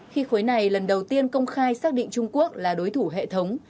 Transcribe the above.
khi khối này lần đầu tiên công khai xác định trung quốc là đối thủ hệ thống